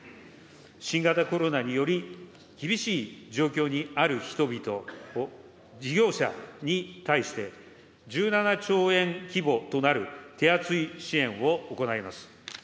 新型コロナにより、厳しい状況にある人々、事業者に対して、１７兆円規模となる手厚い支援を行います。